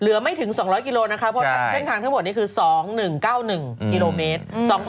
ไม่ถึง๒๐๐กิโลนะคะเพราะเส้นทางทั้งหมดนี้คือ๒๑๙๑กิโลเมตร